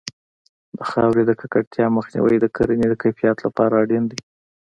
د خاورې د ککړتیا مخنیوی د کرنې د کیفیت لپاره اړین دی.